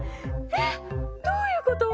えっどういうこと！？